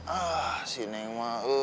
ah si neng mah